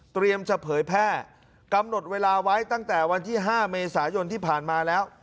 จะเผยแพร่กำหนดเวลาไว้ตั้งแต่วันที่๕เมษายนที่ผ่านมาแล้ว